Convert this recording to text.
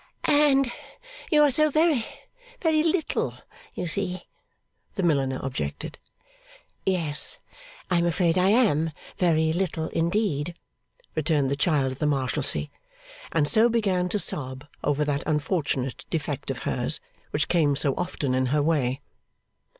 'And you are so very, very little, you see,' the milliner objected. 'Yes, I am afraid I am very little indeed,' returned the Child of the Marshalsea; and so began to sob over that unfortunate defect of hers, which came so often in her way.